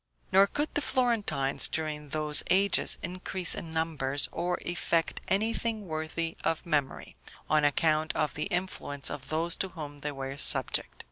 Nor could the Florentines, during those ages, increase in numbers, or effect anything worthy of memory, on account of the influence of those to whom they were subject.